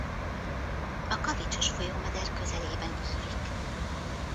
A kavicsos folyómeder közelében ívik.